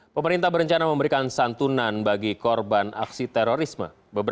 pemerintah berencana memberikan santunan bagi korban aksi terorisme